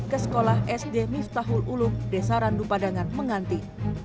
ke sekolah sd miftahul ulu desa randu padangan menghenti